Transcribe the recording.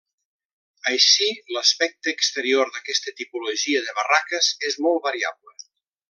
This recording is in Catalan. Així, l’aspecte exterior d’aquesta tipologia de barraques és molt variable.